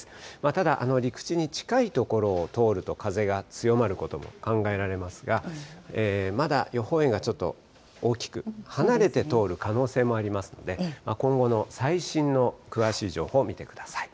ただ、陸地に近い所を通ると風が強まることも考えられますが、まだ予報円がちょっと大きく、離れて通る可能性もありますので、今後の最新の詳しい情報を見てください。